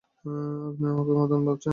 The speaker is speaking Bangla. আপনি আমাকে মদন ভাবছেন!